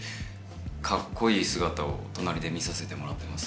カッコいい姿を隣で見させてもらってます。